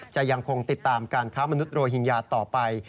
จะยังคงติดตามการค้ามนุษยโรหิงญาต่อไป